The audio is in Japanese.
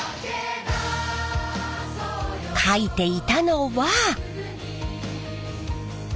かいていたのは。